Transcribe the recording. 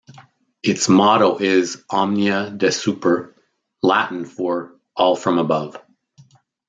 Its motto is "Omnia Desuper", Latin for "All From Above".